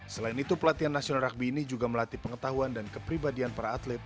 selain itu pelatihan nasional rugby ini juga melatih pengetahuan dan kepribadian para atlet